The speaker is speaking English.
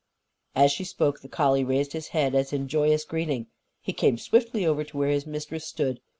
_" As she spoke, the collie raised his head, as in joyous greeting. He came swiftly over to where his mistress stood.